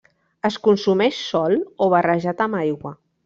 Es consumeix sol o barrejat amb aigua.